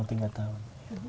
iya tiga tahun